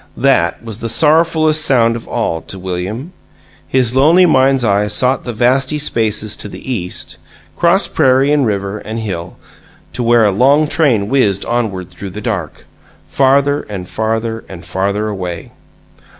That was the sorrowfulest sound of all to William. His lonely mind's eye sought the vasty spaces to the east; crossed prairie, and river, and hill, to where a long train whizzed onward through the dark farther and farther and farther away.